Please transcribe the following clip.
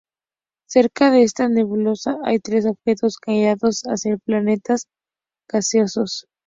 Cerca de esta nebulosa hay tres objetos candidatos a ser planetas gaseosos.